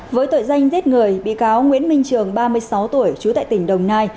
với tội danh giết người bị cáo nguyễn minh trường ba mươi sáu tuổi trú tại tỉnh đồng nai